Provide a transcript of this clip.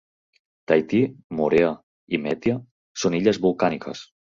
Tahiti, Moorea i Mehetia són illes volcàniques.